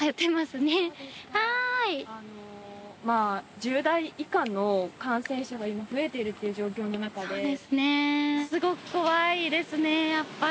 １０代以下の感染者が今、増えているという状況の中で。